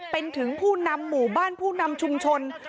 เป็นถึงผู้นำหมู่บ้านผู้นำชุมชน